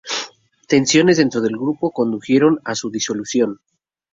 Tensiones dentro del grupo condujeron a su disolución.